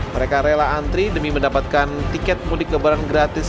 mereka rela antri demi mendapatkan tiket mudik lebaran gratis